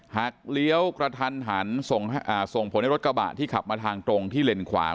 เลี้ยวกระทันหันส่งผลให้รถกระบะที่ขับมาทางตรงที่เลนขวา